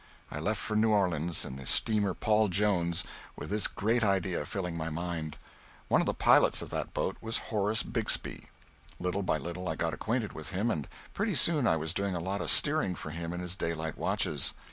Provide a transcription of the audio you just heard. I left for New Orleans in the steamer "Paul Jones" with this great idea filling my mind. One of the pilots of that boat was Horace Bixby. Little by little I got acquainted with him, and pretty soon I was doing a lot of steering for him in his daylight watches.